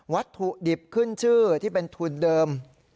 วัตถุดิบขึ้นชื่อที่เป็นทุนเดิม